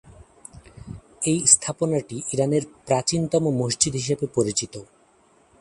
এই স্থাপনাটি ইরানের প্রাচীনতম মসজিদ হিসেবে পরিচিত।